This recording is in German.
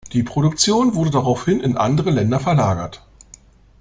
Die Produktion wurde daraufhin in andere Länder verlagert.